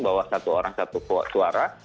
bawa satu orang satu suara